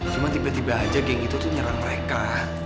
cuma tiba tiba aja geng itu tuh nyerang mereka